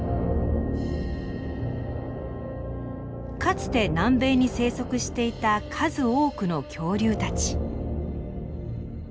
かつて南米に生息していた数多くの恐竜たち。